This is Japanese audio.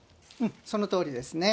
そのとおりですね。